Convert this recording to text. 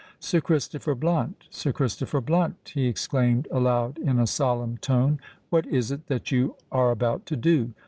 "Sir Christopher Blunt—Sir Christopher Blunt," he exclaimed aloud, in a solemn tone, "what is it that you are about to do?